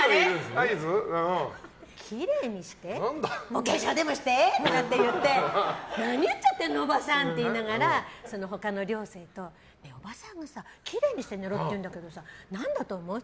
お化粧でもして？とか言って何言っちゃってんのおばさんって言いながらその他の寮生と、おばさんがさきれいにして寝ろって言うんだけどさ何だと思う？